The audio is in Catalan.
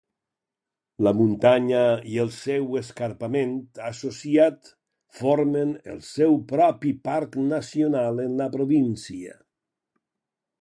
La muntanya i el seu escarpament associat formen el seu propi parc nacional en la província.